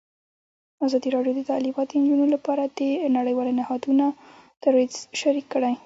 ازادي راډیو د تعلیمات د نجونو لپاره د نړیوالو نهادونو دریځ شریک کړی.